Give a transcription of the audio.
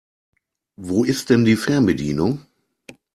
Wo ist denn die Fernbedienung?